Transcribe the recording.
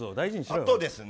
あとですね